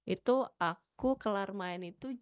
itu aku kelar main itu